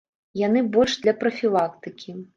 Яны больш для прафілактыкі.